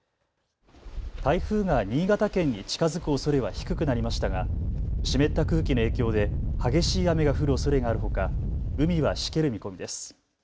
台風が新潟県に近づくおそれは低くなりましたが、湿った空気の影響で、激しい雨が降るおそれがあるほか、海はしける見込みです。